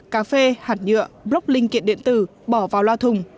cà phê hạt nhựa block linh kiện điện tử bỏ vào loa thùng